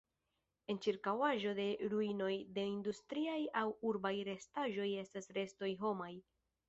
En ĉirkaŭaĵo de ruinoj de industriaj aŭ urbaj restaĵoj estas restoj homaj.